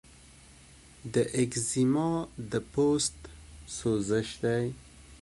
د ایکزیما د پوست سوزش دی.